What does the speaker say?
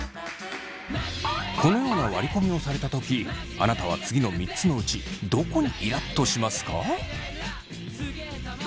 このような割り込みをされたときあなたは次の３つのうちどこにイラっとしますか？